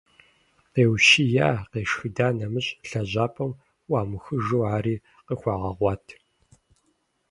Къеущия, къешхыда нэмыщӏ, лэжьапӏэм ӏуамыхужу, ари къыхуагъэгъуат.